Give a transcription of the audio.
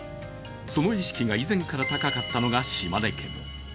その意識が以前から高かったのが島根県。